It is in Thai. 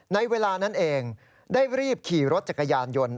ในเวลานั้นเองได้รีบขี่รถจักรยานยนต์